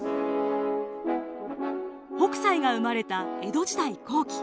北斎が生まれた江戸時代後期。